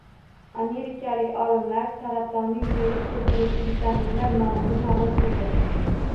Amerikalik olimlar saratonni yuzaga keltiruvchi vitaminlar nomini ma’lum qildi